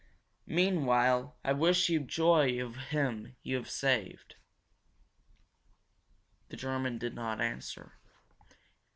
Meanwhile I wish you joy of him you have saved!" The German did not answer.